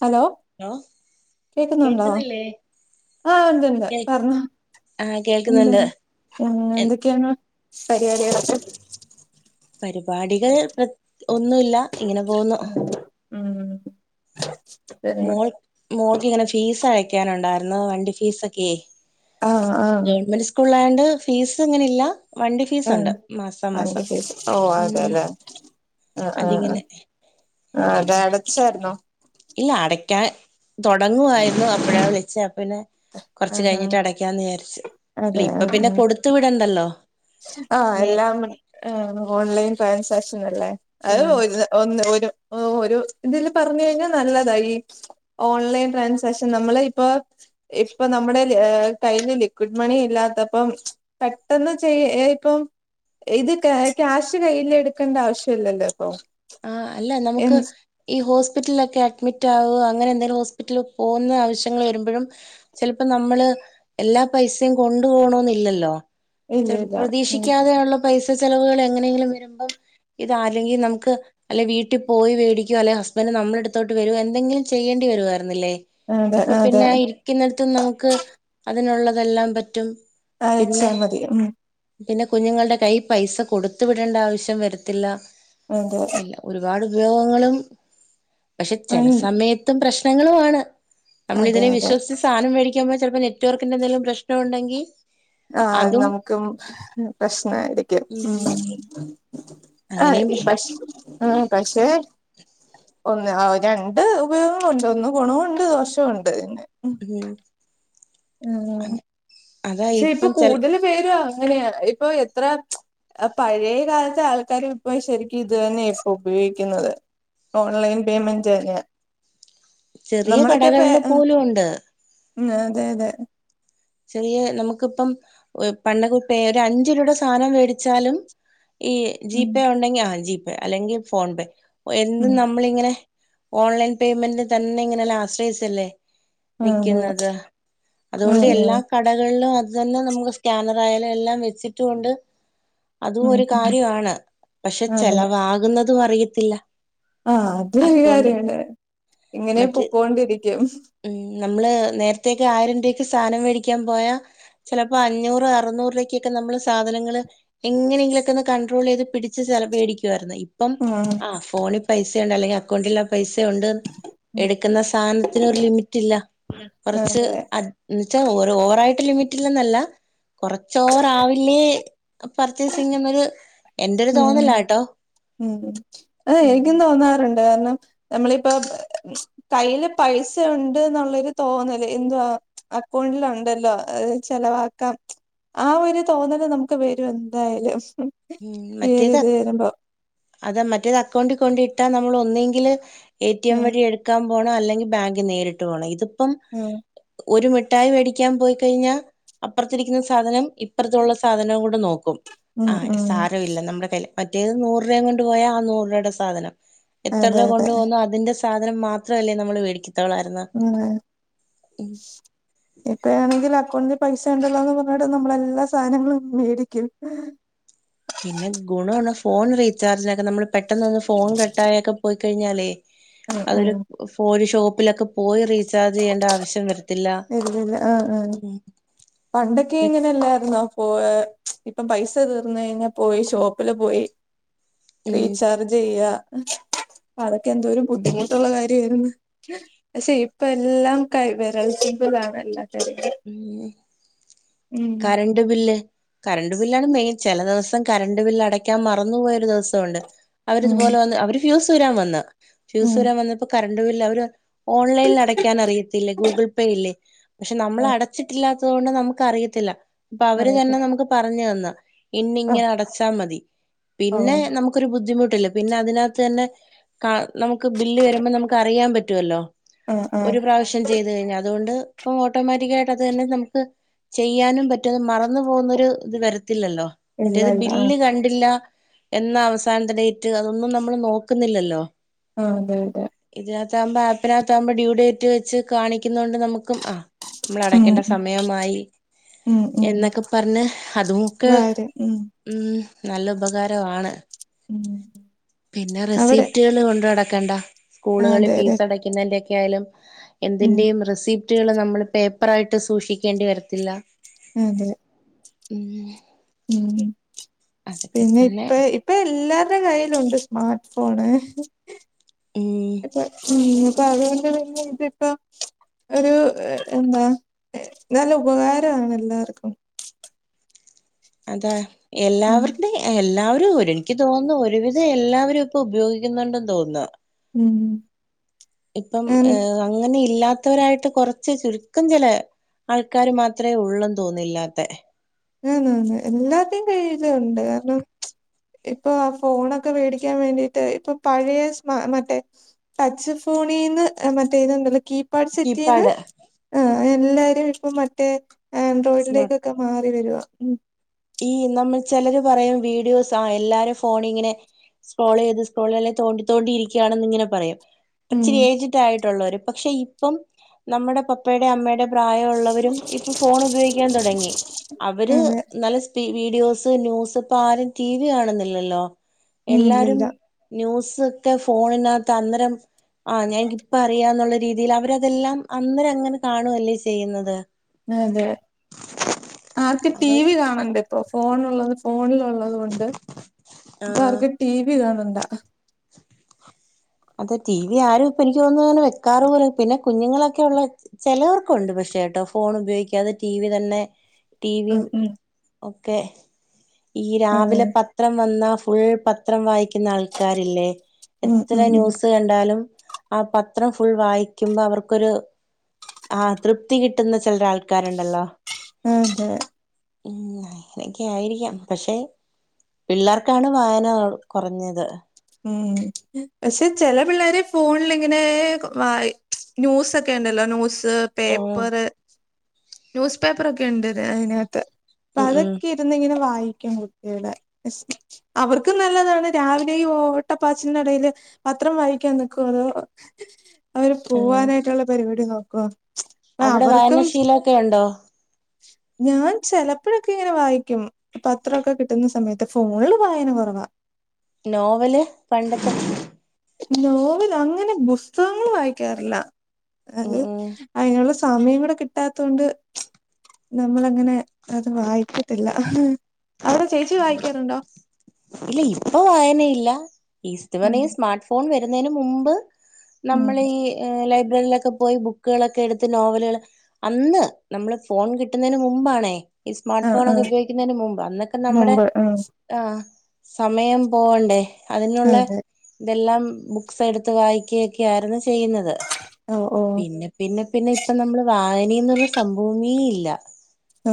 Hello hello കേക്കുന്നുണ്ടോ കേക്ന്നി ല്ലേ ആഹ് ണ്ട്ണ്ട് പറഞ്ഞോ ആഹ് എന്തെ കേൾക്കുന്നുണ്ട് പിന്നെ എന്തൊക്കെയാണ് പരിപാടികളൊക്കെ പരിപാടികൾ പ്രെ ഒന്നുല്ല ഇങ്ങനെ പോന്നു മ്മ് മോൾ മോൾക്ക് ഇങ്ങനെ ഫീസ് അഴക്കാനുണ്ടായിരുന്നു വണ്ടി ഫീസ് ഒക്കെ ആഹ് ആഹ് ഗവൺമെന്റ് സ്കൂളിലായോണ്ട് ഫീസ് ങ്ങനെ ഇല്ല ആഹ് വണ്ടി ഫീസ് ഓ അതെ ഉം അതെ ആഹ് ആഹ് ആഹ് അതിങ്ങനെ ആഹ് അതടച്ചായിര് ന്നോ ഇല്ല അടക്കാൻ തൊടങ്ങുവായിരുന്നു അപ്പഴാ വിളിച്ചേ അപിന്നെ കൊറച്ച് ആഹ് ആഹ് കഴിഞ്ഞിട്ട് അടക്കാന്ന് വിചാരിച്ച് ഇപ്പൊ പിന്നെ കൊടുത്ത് വിടണ്ടല്ലോ ആ നേരത്തെ എല്ലാം ഓൺലൈൻ ട്രാൻസേക്ഷൻ അല്ലേ അത് ആഹ് പോയിത് ഒന്ന് ഒരു ഒരു ഇതില് പറഞ്ഞു കഴിഞ്ഞാൽ നല്ലതായി ഓൺലൈൻ ട്രാൻസേക്ഷൻ നമ്മള് ഇപ്പൊ ഇപ്പൊ നമ്മുടെ കയ്യിൽ ലിക്വിഡ് മണി ഇല്ലാത്തപ്പം പെട്ടെന്ന് ചെയ്യ ഇപ്പം ഇത് ക്യാ ക്യാഷ് കയ്യിൽ എടുക്കേണ്ട ആവശ്യം ഇല്ലല്ലോ ഇപ്പൊ ആഹ്അല്ല എ നമുക്ക് ഈ ഹോസ്പിറ്റലിലൊക്കെ അഡ്മിറ്റ് ആവ്യാഅങ്ങനെ ന്തെങ്കിലും ഹോസ്പിറ്റലിൽ പോകുന്ന ആവശ്യങ്ങൾ വരുമ്പോഴും ചെല്പ്പംനമ്മള് എല്ലാ പൈസേ കൊണ്ടു പോണന്നില്ലല്ലോ ഇല്ല ചെല് ഇല്ല ഉം പ്രതീക്ഷിക്കാതെയണല്ലും പൈസ ചെലവുകൾ എങ്ങനെയെങ്കിലും വരുമ്പം ഇത ആല്ലെങ്കിനമുക്ക് അല്ലെ വീട്ടി പോയി വേടിക്യാ അല്ലെ ഹസ്ബന്റ് നമ്മുടെ അടുത്തോട്ട് വരോഎന്തെങ്കിലും ചെയ്യേണ്ടി വരുവയിരുന്നില്ലേ അതെ ഇപ്പൊ അതെ പിന്നെ ഇരിക്കുന്നടത്തിന്ന് നമുക്ക് അതിനുള്ളതെല്ലാം പറ്റും അയച്ചാ പിന്നെ മതി ഉം പിന്നെ കുഞ്ഞുങ്ങളുടെ കൈയിൽ പൈസ കൊടുത്ത് വിടേണ്ട ആവശ്യം വരത്തില്ല ഉ ത് എല്ലാ ഒരുപാട് ഉപയോഗങ്ങളും പക്ഷെ ചെല ഉം സമയത്തും പ്രശ്നങ്ങളുമാണ് നമ്മള് അതെ ഇതിനെ അതെ വിശ്വസിച്ച് സാധനം മേടിക്കുമ്പോ ചിലപ്പോ നെറ്റ്വർക്കിന്റെ എന്തെലും പ്രശ്നം ഉണ്ടെങ്കി ആഹ് അത് അതും നമുക്കും പ്രശ്നായിരിക്കും ഉം അങ്ങനെയും ആഹ് പ്രശ്ന പക്ഷ ഉം പക്ഷേ ഒന്ന് ആ രണ്ട് ഉപയോഗം ഉണ്ട് ഒന്ന് ഗുണവുണ്ട് ദോഷവുണ്ട് പിന്നെ ഉം ഉം അങ്ങ അതാ ക്ഷെ ഇപ്പൊ ഇപ്പം ചെൽ കൂടുതല് പേര് അങ്ങനെയ ഇപ്പൊ എത്ര ആ പഴേ കാലത്തെ ആൾക്കാര് ഇപ്പ ശരിക്കും ഇത് തന്നെയ ഇപ്പൊ ഉപയോഗിക്കുന്നത് ഓൺലൈൻ പേയ്മെന്റ് ന്നെ ചെറിയ കടകളിൽ പോലും ഉണ്ട് ഉം അതെ അതെ ചെറിയ നമുക്കിപ്പം പണ്ടക്കേ ഒരു അഞ്ച് രൂപേടെ സാനം മേടിച്ചാലും ഈ ഉം ജിപേ ഉണ്ടെങ്കി ആഹ് ജിപേ അല്ലെങ്കിൽ ഫോൺപേ എന്ത് ഉം നമ്മളിങ്ങനെ ഓൺലൈൻ പേയ്മെന്റിന് തന്നെ ങ്ങനെ ആശ്രയിച്ചല്ലേ അതെ നിക്കുന്നത് അതുകൊണ്ട് ഉം എല്ലാ ഉം കടകളിലും അത് തന്നെ നമുക്ക് സ്കാനർ ആയാലും എല്ലാം വെച്ചിട്ടുണ്ട് അതും ഉം ഒരു ഉം കാര്യവാണ് പക്ഷെ അതെ ചെലവാകുന്നതും അറിയത്തില്ല ആഹ് അതിലൊരു അക്കൗണ്ട് കാര്യാണ് ഇങ്ങനെ മറ്റ് പൊക്കൊണ്ടിരിക്കും ഉം നമ്മള് നേരത്തേക്കെ ആയിരം രൂപക്ക് സാനം മേടിക്കാൻ പോയാ ചിലപ്പോ അഞ്ഞൂറ് അറ്ന്നൂർ രൂപക്കൊക്കെ നമ്മള് സാധനങ്ങള് എങ്ങനെങ്കിലൊക്കെ ഒന്ന് കണ്ട്രോള് ചെയ്ത് പിടിച്ച് ചെല പേടിക്കുവായിരുന്നേ ഇപ്പം ഉം ആഹ് ഫോണിൽ പൈസ ഉണ്ട് അല്ലെങ്കിൽ അക്കൗണ്ടിൽ ആഹ് പൈസുണ്ട് എടുക്കുന്ന സാധനത്തിനോര് ലിമിറ്റ് ഇല്ല കുറച്ച് അതെ എന്ന് വച്ചാ ഓരോ ഓവറായിട്ട് ലിമിറ്റിലന്നല്ല കൊറച്ച് ഓവറാവില്ലേ പർച്ചേസിംഗ് എന്നൊരു എന്റെരു ഉം തോന്നലാട്ടോ ഉം അതെ ഉം എനിക്കും തോന്നാറുണ്ട് കാരണം നമ്മളിപ്പോ കയ്യില് പൈസ ഉണ്ട് എന്നുള്ളരു തോന്നല് എന്ത്യാ അക്കൗണ്ടിലുണ്ടല്ലോ അഹ് ചെലവാക്കാ ആഹ് ഒരു തോന്നല് നമുക്ക് വരും എന്തായാലും ഈ മറ്റേത് ഒരിത് വരുമ്പോ അത് മറ്റത് അക്കൗണ്ടി കൊണ്ട് ഇട്ടാ നമ്മള് ഒന്നെങ്കില് എടിഎം ഉം വഴി എടു ക്കാം പോണം അല്ലെങ്കിൽ ബാങ്കി നേരിട്ട് പോണം ഇതിപ്പോ ഉം ഒരു മിഠയി വേടിക്കാൻ പോയി കഴിഞ്ഞാ അപ്പുറത്തിരിക്കുന്ന സാധനം ഇപ്പുറത്തുള്ള സാധനവും കൂടെ നോക്കും ഉം ഉം ല്ല നമ്മുടെ കയ്യിൽ മറ്റേത് നൂറ് രൂപയും കൊണ്ട് പോയാ ആഹ് നൂറ് രൂപയുടെ സാധനം എത്ര അതെ രൂപ അതെ കൊണ്ട് പോകുന്നോ അതിന്റെ സാധനം മാത്രല്ലേ നമ്മൾ മേടിക്കത്തോളായിരുന്നു ഉം ഉം ഇപ്പഴാണെങ്കിൽ അക്കൗണ്ടിൽ പൈസണ്ടല്ലോന്നും പറഞ്ഞിട്ട് നമ്മളാണെങ്കി എല്ലാ സാധനങ്ങളും മേടിക്കും പിന്നെ ഗുണാണ് ഫോൺ റീചാർജിനൊക്കെ നമ്മൾ പെട്ടെന്ന് ഒന്ന് ഫോൺ കട്ടായൊക്കെ പോയിക്കഴിഞ്ഞാലേ ഉം അതൊരു ഉം ഫോഷോപ്പിലൊക്കെ പോയി റീചാർജെയ്യേണ്ട ആവശ്യം വരുത്തി വരുന്നില്ല ആഹ് ആഹ് പണ്ടൊക്കെ ഇങ്ങനെല്ലായിരുന്നോ പോ ഇപ്പം പൈസ തീർന്നഴിഞ്ഞാ പോയി ഷോപ്പില് പോയി ഉം റീചാർജെയ്യാ അതൊക്കെ എന്തോരും ബുദ്ധിമുട്ടുള്ള കാര്യായിരുന്നു പക്ഷെ ഇപ്പ എല്ലാം കൈ വിരൽത്തുമ്പിലാണല്ലോ എല്ലാ കാര്യങ്ങളും ഉം ഉം കറണ്ട് ബില്ല് കറണ്ട് ബില്ലാണ് മെയിൻ ചെല ദിവസം കറണ്ട് ബില്ല് അടക്കാൻ മറന്നു പൊയൊരു ദിവസൊണ്ട് അവര് ഉം ഇതുപോലെ വന്ന് അവര് ഫ്യൂസൂരാൻ വന്ന് ഉം ഫ്യൂസൂരാൻ വന്നപ്പോ കറണ്ട് ബില്ല് അവര് ഓൺലൈനിൽ അടയ്ക്കാൻ അറിയത്തില്ലേ ഗൂഗിൾ പേ ഇല്ലേ ഉം നമ്മളടച്ചിട്ടില്ലാത്തത് കൊണ്ട് നമുക്ക് അറിയത്തില്ല അപ്പൊ അവര് തന്നെ അറിയത്തില്ല നമുക്ക് പറഞ്ഞ്തന്ന് ആ ഇന്നിങ്ങനെ അടച്ചാ മതി ഓ പിന്നെ നമുക്ക് ഒരു ബുദ്ധിമുട്ടില്ല പിന്നെ അതിനകത്ത് തന്നെ കാ നമുക്ക് ബില്ല് വരുമ്പോ നമുക്ക് അറിയാൻ പറ്റുവല്ലോ ആ ആ ഒരു പ്രാവശ്യം ചെയ്തു കഴിഞ്ഞ് അതുകൊണ്ട് ഓ ട്ടോമാറ്റിക്കായിട്ട് അത് തന്നെ നമുക്ക് ചെയ്യാനും പറ്റും മറന്നു പോകുന്നൊരു ഇത് വരത്തില്ലല്ലോ ഇല്ല മറ്റേത് ഇല്ല ആ ബില്ല് കണ്ടില്ല എന്നാ അവസാനത്തെ ഡേറ്റ് അതൊന്നും നമ്മൾ നോക്കുന്നില്ലല്ലോ ആഹ് അതെ അതെ ഇതിനകത്താകുമ്പോ ആപ്പിനകത്താകുമ്പോ ഡ്യൂ ഡേറ്റ് വെച്ച് കാണിക്കുന്ന കൊണ്ട് നമുക്കും ആഹ് നമ്മൾ ഉം അടക്കേണ്ട സമയമായി ഉം ഉം എന്നൊക്കെ പറഞ്ഞ് അതുമൊക്കെ ഉം നല്ല ഉപകാരമാണ് ഉം പിന്നെ അവിടെ റെസിപ്റ്റുകൾ കൊണ്ട് നടക്കണ്ട. ആ സ്കൂളുകളി അതെ അതെ ഫീസടക്കുന്നതിന്റൊക്കെ ആയാലും ഉം എന്തിന്റെയും റെസിപ്റ്റുകൾ നമ്മള് പേപ്പറായിട്ട് സൂക്ഷിക്കേണ്ടി വരത്തില്ല അതെ ഉം ഉം അതൊക്കെ പിന്നെ തന്നെ ഇപ്പെയ് ഇപ്പൊ എല്ലാരുടെ കയ്യിലുണ്ട് സ്മാർട്ട് ഫോണ് ഉം ഉം അപ്പ അതുകൊണ്ട് പിന്നെ ഇതിപ്പം ഒരു എന്താ നല്ല ഉപകാരാണെല്ലാർക്കും അതാ ഉം എല്ലാവരുടെ എല്ലാവരും ഒരു എനിക്ക് തോന്നുന്നു ഒരുവിധം എല്ലാവരും ഇപ്പൊ ഉപയോഗിക്കുന്നുണ്ടെന്ന് തോന്നുന്നു ഉം ഇപ്പം ഏ അങ്ങനെ ഇല്ലാത്തവരായിട്ട് കുറച്ച് ചുരുക്കം ചില ആൾക്കാർ മാത്രേ ഉള്ളൊന്ന് തോന്നുന്നുല്ലാത്തെ അന്ന് അന്ന് എല്ലാത്തിന്റെ കയ്യിലുണ്ട് കാരണം ഇപ്പൊ ആ ഫോണൊക്കെ വെടിക്കാൻ വേണ്ടിട്ട് ഇപ്പൊ പഴയ സ്മാ മറ്റേ ടച്ച് ഫോണിന്ന് മറ്റേഇത്ണ്ടല്ലോകീ പാഡ്സെറ്റീന്ന് കീപാഡ് എല്ലാരും ഇപ്പം മറ്റേ സ്മാർട്ട് ആൻഡ്രോയിഡിലേക്കൊക്കെ മാർ - വരുവാ ഉം ഈ നമ്മൾ ച്ചേലർ പറയും വീഡിയൊസാ ആ എല്ലാരഫോണിങ്ങനെ സ്ക്രോളെയ്ത് സ്ക്രോൾ അല്ലെ തോണ്ടി തോണ്ടിയിരിക്കുകയാണെന്നിങ്ങനെ പറയും ഉം ഇച്ചിരി ഏജ്ഡ് ആയിട്ടുള്ളോര് പക്ഷെ ഇപ്പം നമ്മുടെ പപ്പയുടെയും അമ്മയുടെയും പ്രായമുള്ളവരും ഇപ്പൊ ഫോൺ ഉപയോഗിക്കാൻ തുടങ്ങി അവര്.. അതെ. നല്ല സ്പി വീഡിയോസ് ന്യൂസ് പ്പൊ ആരും ഡീവി കാണുന്നില്ലല്ലോ ഉം എല്ലാരും.. ഇല്ലില്ല. ന്യൂസ് ഒക്കെ ഫോണിനകത്ത് അന്നെരം ആഹ് ഞങ്ങക്ക് ഇപ്പ അറിയാന്നുള്ള രീതിയിൽ അവര. ഇതെല്ലാം അന്നേരം അങ്ങനെ കാണുവല്ലേ ചെയ്യുന്നത്.. അതെ ആർക്ക് അപ്പൊ ഡീവി കാണെണ്ട ഇപ്പോ ഫോൺ ഉള്ളത് ഫോണിലുള്ളത.. ക്കെണ്ട് ഇപ്പൊ ആഹ് ആർക്ക് ടി വി കാണെണ്ടാ.. അതെ ടി വി ആരും ഇപ്പ എനിക്ക് തോനുന്നു അങ്ങെനെ വെക്കാറു പിന്നെ കുഞ്ഞുങ്ങളൊക്കെ ഉള്ള.. ചെലൊർക്കുണ്ട് പക്ഷേ കേട്ടോ ഫോൺ ഉപയോഗിക്കാതെ ടി വി തന്നെ.. ടിവിയും ഉം ഉം ഒക്കെ ഈ രാവിലെ ഉം പത്രം വന്ന ഫുൾ പത്.. പത്രം വായിക്കുന്ന ആൾക്കാരില്ലേ.. ഉം ത്ര ഉം ഉം ന്യൂസ് കണ്ടാലും ആ പത്രം ഫുൾ വായിക്കുമ്പ അവർക്കൊരു.. ആഹ്‌ തൃപ്തി കിട്ടുന്ന ചിലരാൾക്കാരുണ്ടല്ലോ.. ഉം ഹെ.. ഉം അങ്ങനൊക്കെ ആയിരിക്കാം പക്ഷെ.. പിള്ളാർക്കാണ് വായന കൊറഞ്ഞത്.. ഉം പക്ഷെ ചെല പിള്ളേര് ഫോണിലിങ്ങനെ വായി.. ന്യൂസൊക്കെ ഉണ്ടല്ലോ ന്യൂസ്.. ഉം പേപ്പറ് ന്യൂസ് പേപ്പറൊക്കെ ഉണ്ട് അതിനകത്ത് ഉം ഉം പ്പതൊക്കെ.. ന്നിങ്ങനെ വായിക്കും കുട്ടിയുടെ അവർക്കും നല്ലതാണ് രാവിലെയി ഓ.. ഓട്ടപ്പാച്ചിലിന്റെടയില് പത്രം വായിക്കാൻ നിക്കുവതോ.. അവര് ആ പോവാനായിട്ടുള്ള പരിപാടി നോക്കോ.. അവിടെ വായനാശീലഒക്കെ ഉണ്ടോ.. ഞാൻ ചെലപ്പഴൊക്കെ ഇങ്ങനെ വായിക്കും പത്രമൊക്കെ കിട്ടുന്ന സമയത്ത് ഫോണില് വായന കൊറവാ.. നോവല് പണ്ടത്തെ.. നോവൽ അങ്ങനെ പുസ്തകങ്ങൾ വായിക്കാറില്ല ഉം അത്.. ഉം അയ്നുള്ള സമയം കൂടെ കിട്ടാത്തോണ്ട്.. നമ്മള അങ്ങനെ അത് വായിക്കത്തില്ല അവിടെ ചേച്ചി വായിക്കാറുണ്ടോ.. ഇല്ല ഇപ്പൊ വായനയില്ല ഈ ഉം ഇസ്തുമന സ്മാർട്ട് ഫോൺ വരുന്നതിന് മുമ്പ്.. ഉം നമ്മൾ ഈ ലൈബ്രറിയിലൊക്കെ പോയി ബുക്കുകളൊക്കെ എടുത്ത് നോവലുകൾ.. അന്ന് നമ്മള് ഫോൺ കിട്ടുന്നതിന് മുമ്പാണേ.. ഈ സ്മാർട്ട് ആഹ് ഫോൺക്കെ ആഹ് ഉപയോഗിക്കുന്നതിന് മുമ്പ് അന്നൊക്കെ നമ്മുടെ മുമ്പ് ആഹ് ആഹ.. സമയം പോവണ്ടേ അതിനുള്ള.. അതെ ഇതെല്ലാം ബുക്സ് എടുത്ത് വായിക്ക യൊക്കൊയിരുന്നു ചെയ്യുന്നത്.. ഓ ഓ പിന്നെ പിന്നെ പിന്നെ ഇപ്പ നമ്മള് വായനെന്നുള്ള സംഭവമേ ഇല്ല..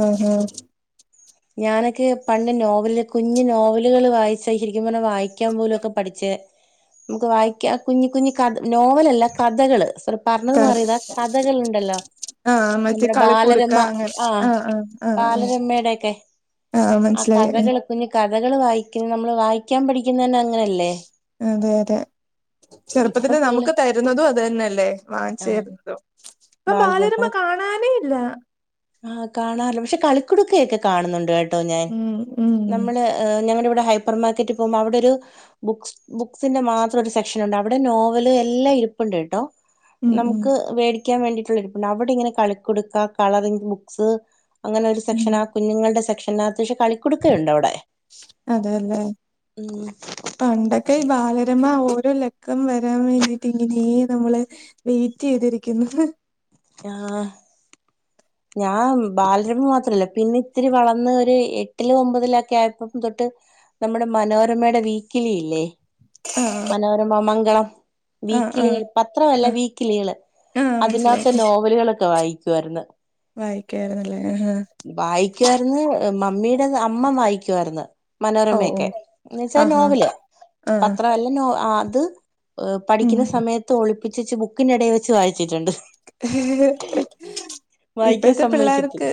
ഉം ഉം.. ഞാനൊക്കെ പണ്ട് നോവല് കുഞ്ഞ് നോവലുകൾ വായിച്ച ശരിക്കും പറഞ്ഞ വായിക്കാൻ പോലുംക്കെ പഠിച്ചെ.. നമുക്ക് വായിക്ക കുഞ്ഞ് കുഞ്ഞ് ക നോവലല്ല കഥകള്.. പറഞ്ഞത് ക മാറിയതാ കഥകൾണ്ടല്ലോ.. ആഹ് മറ്റേ നമ്മുടെ കളിക്കുടുക്ക ബാലരമ അങ്ങനെ ആഹ ആഹ് ആഹ് ആഹ് ആഹ് ബാലരമയുടെ ഒക്കെ ആഹ് ആ മനസ്സിലായി ഉം, കഥകള് കുഞ്ഞു കഥകൾ വായിക്കുന്ന നമ്മള് വായിക്കാൻ പഠിക്കുന്ന തന്നെ അങ്ങനെയല്ലേ.. അതെ അതെ.. ഇപ്പൊ ചെറുപ്പത്തില് പിള്ളേ നമുക്ക് തരുന്നതും അത് തന്നെയല്ലേ വാങ്ങിച്ചു ആഹ് തരുന്നതും.. ഇപ്പം ബാലരമ്മ കാണാനേ ഇല്ല.. ആഹ കാണാറില്ലോ പക്ഷെ കളിക്കുടുക്കയൊക്കെ കാണുന്നുണ്ട് കേട്ടോ ഞാൻ.. ഉം ഉം നമ്മൾ ഞങ്ങളുടെ ഇവിടെ ഹൈപ്പർ മാർക്കറ്റിൽ പോകുമ്പോൾ അവിടെ ഒരു.. ബുക്സ് ബുക്സിന്റെ മാത്രം ഒരു സെക്ഷൻണ്ട് അവിടെ നോവല് എല്ലാം ഇരിപ്പുണ്ട് കേട്ടോ.. ഉം ഉം നമുക്ക് മേടിക്കാൻ വേണ്ടിയിട്ടുള്ള ഇരിപ്പണ്ട് അവിടെ ഇങ്ങനെ കളിക്കുടുക്കാ കളറിങ് ബുക്സ്.. അങ്ങനെ ഒരു ഉം സെക്ഷന കുഞ്ഞുങ്ങളുടെ സെക്ഷനകത്ത് പക്ഷേ കളിക്കു ടുക്കയുണ്ട് അവിടെ.. അതെല്ലേ ഉം പണ്ടക്കെ പക്ഷെ ഈ ബാലരമ.. [unintelligible] ഓരോ ലക്കം വരാൻ വേണ്ടിട്ട് ഇങ്ങനെയ നമ്മള് വെയിറ്റ് ചെയ്തിരിക്കുന്നു ആഹ് ഞാൻ ബാലരമ മാത്രല്ല പിന്നെ ഒത്തിരി വളർന്ന് ഒരു എട്ടില് ഒമ്പതില് ഒക്കെ ആയപ്പം തൊട്ട് നമ്മുടെ മനോരമയുടെ വീക്കിലില്ലേ ആഹ് വേറെ മം മംഗളം ആഹ് ആഹ് വീക്കലികൾ പത്രമല്ല ആഹ് വീക്കലികള് ആഹ് അതിനകത്ത് മനസ്സിലായി നോവലുകളൊക്കെ വായിക്കുമായിരുന്നു വായിക്കായിരുന്നല്ലേ ആഹ് വായിക്കായിരുന്ന് മമ്മിയുടെ അമ്മ വായിക്കുവായിരുന്നു ഓ ഓ മനോരമയൊക്കെ എന്ന് വെച്ചാ ആഹാ നോവല് ആഹ് പത്ര അല്ല നോ അത് ആഹ് ഉം പഠിക്കുന്ന സമയത്ത് ഒളിപ്പിച്ചിച്ച് ബുക്കിനിടയിൽ വെച്ച് വായിച്ചിട്ടുണ്ട് ആഹ് വായിക്കാൻ ഇപ്പോഴത്തെ സമ്മതിക്കത്തില്ല പിള്ളേർക്ക്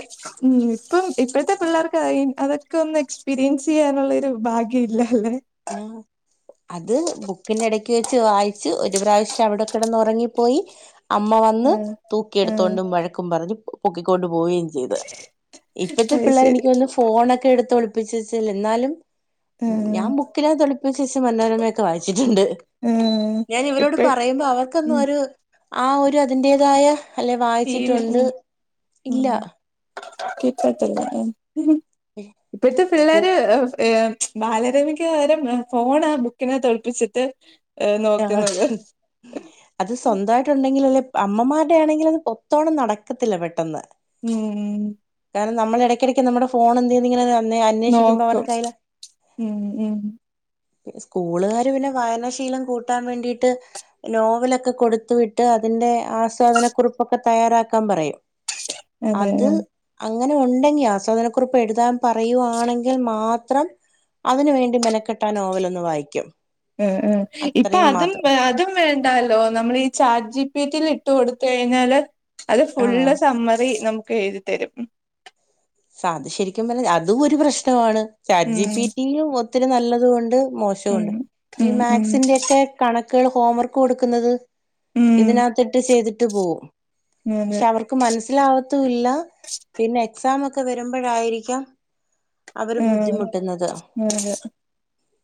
ഉം ഇപ്പം ഇപ്പോഴത്തെ പിള്ളേർക്ക് അതൊക്കെ ഒന്നും എക്സ്പീരിയൻസ് ചെയ്യാനുള്ളൊരു ഭാഗ്യം ഇല്ലല്ലേ [unintelligible] അത് ബുക്കിന്റെ ഇടക്ക് വെച്ച് വായിച്ച് ഒരു പ്രാവശ്യം അവിടെ കിടന്ന് ഉറങ്ങിപ്പോയി അമ്മ വന്ന് ആഹ് ആഹ് തൂക്കിയെടുത്തോണ്ടും വഴക്കും പറഞ്ഞ് പൊക്കിക്കൊണ്ട് പോയി ഇപ്പത്തെ അത് പിള്ളേര് ശരി എനിക്ക് തോന്നുന്നു ഫോണൊക്കെ എടുത്ത് ഒളിപ്പിച്ച്‌ വച്ച് എന്നാലും ആഹ് ഞാൻ ബു ബുക്കിനകത്ത് ഒളിപ്പിച്ച് വെച്ച് മനോരമയൊക്കെ വായിച്ചിട്ടുണ്ട് ആഹ് ഞാൻ ഇവരോട് ഇപ്പ പറയുമ്പോ അവർക്കൊന്നും ഉം ആഹ് ഒരു ഹ് ആഹ് ഒരു അതിന്റെതായ അല്ലെ ഫീല് വായിച്ചിട്ടുണ്ട് ഉം ഇല്ല ഉം ഇപ്പഴത്തെ സ്കൂ പിള്ളേര് ഏഹ് ബാലരമക്ക് പകരം ഫോണാ ബുക്കിനകത്ത് ഒളിപ്പിച്ചിട്ട് ഏഹ് നോക്കുന്നത് ആഹ് [unintelligible] അത് സ്വന്തമായിട്ടുണ്ടെങ്കില അമ്മമാരുടെ ആണെങ്കിൽ അത് ഒത്തോണം നടക്കത്തില്ല പെട്ടെന്ന് ഉം കാരണം നമ്മള് ഇടക്കിടക്ക് നമ്മുടെ ഫോൺ എന്തിന്നിങ്ങനെ ന്നെ അന്വേഷിക്കുമ്പോ അവരെ നോക്കും കൈയിലാ ഉം ഉം സ്കൂളുകാര് പിന്നെ വായനശീലം കൂട്ടാൻ വേണ്ടിട്ട് നോവലൊക്കെ കൊടുത്തു വിട്ട് അതിന്റെ ആസ്വാദനക്കുറിപ്പൊക്കെ തയ്യാറാക്കാൻ പറയും അതെ അത് ഉം അങ്ങനെ നണ്ടെങ്കി ആസ്വാദനക്കുറിപ്പ് എഴുതാൻ പറയുവാണെങ്കിൽ മാത്രം അതിനുവേണ്ടി മെനക്കെട്ടാ നോവൽ ഒന്ന് വായിക്കും ഉം ഉം ഇപ്പൊ അത്രയും അതും മാത്രം അതും വേണ്ടാല്ലോ നമ്മൾ ഈ ചാറ്റ് ജി പി റ്റി യിൽ ഇട്ട് കൊടുത്ത് കഴിഞ്ഞാല് അത് ആഹ് ഫുള്ള് സമ്മറി നമ്മക്ക് എഴുതി തരും സാ അത് ശരിക്കും പറഞ്ഞാ അതും ഒരു പ്രശ്നമാണ് ചാറ്റ് ഉം ജീ പിടിയിൽ ഒത്തിരി നല്ലതും ഉണ്ട് മോശ് ഉം ശോണ്ട് ഈ ഉം ഉം മാത്‌സിന്റെയൊക്കെ കണക്കുകൾ ഹോംവർക്ക് കൊടുക്കുന്നത് ഉം ഇതിനാത്തിട്ട് ചെയ്തിട്ട് പോകും അതെ പക്ഷെ അവർക്ക് മനസ്സിലാവാത്തും ഇല്ല പിന്നെ എക്സാം ഒക്കെ വരുമ്പഴായിരിക്കാം ഉം അതെ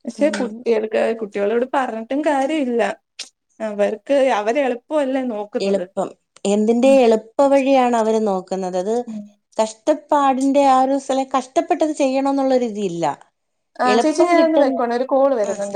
പക്ഷെ ഉം കുട്ടികൾ [unintelligible] കുട്ടികളോട് പറഞ്ഞിട്ടും കാര്യല്ല അവർക്ക് അവര് എളുപ്പമല്ലേ നോക്ക് എളുപ്പം എന്തിന്റെ എളുപ്പ വഴിയാണ് അവര് നോക്കുന്നത് അത് ഉം കഷ്ടപ്പാടിന്റെ ആ ഒരു [unintelligible] കഷ്ടപ്പെട്ട് അത് ചെയ്യണോന്നുള്ള ഒരിതില്ല ആ ചേച്ചി എളുപ്പം ഞാനൊന്ന് കിട്ടു വെക്കുവാണെ ഒരു കോള് ആഹ് വരുന്നുണ്ട്